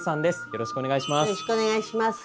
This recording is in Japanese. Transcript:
よろしくお願いします。